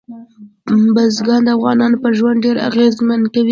بزګان د افغانانو پر ژوند ډېر اغېزمن کوي.